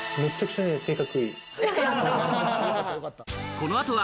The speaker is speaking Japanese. この後は